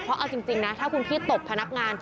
เพราะเอาจริงนะถ้าคุณพี่ตบพนักงาน